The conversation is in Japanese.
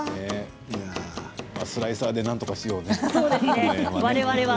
スライサーでなんとかしようね、われわれは。